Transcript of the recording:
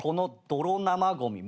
泥生ごみ！？